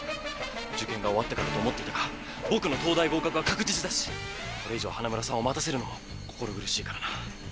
受験が終わってからと思っていたが僕の東大合格は確実だしこれ以上花村さんを待たせるのも心苦しいからな。